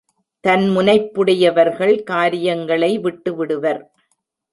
தன் முனைப்புடையவர்கள் காரியங்களை விட்டுவிடுவர்.